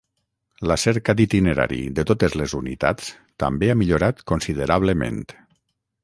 La cerca d'itinerari de totes les unitats també ha millorat considerablement.